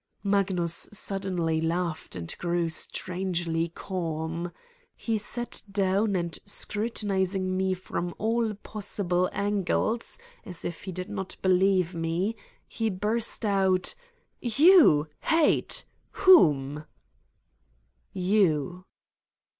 Magnus suddenly laughed and grew strangely calm. He sat down and scrutinizing me from all possible angles, as if he did not believe me, he burst out: 228" Satan's Diary "You? Hate? Whom?" "You."